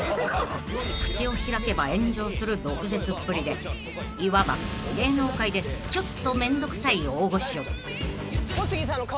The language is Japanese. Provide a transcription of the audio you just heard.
［口を開けば炎上する毒舌っぷりでいわば芸能界でちょっとめんどくさい大御所］